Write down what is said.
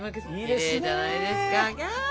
きれいじゃないですか！